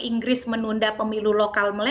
inggris menunda pemilu lokal